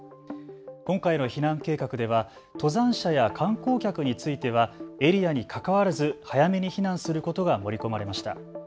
今回の避難計画では登山者や観光客についてはエリアにかかわらず早めに避難することが盛り込まれました。